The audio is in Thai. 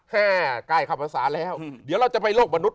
แค่ใกล้เข้าภาษาแล้วเดี๋ยวเราจะไปโลกมนุษ